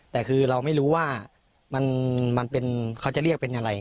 แต่คือเราไม่รู้ว่ามันเป็นเขาจะเรียกเป็นอะไร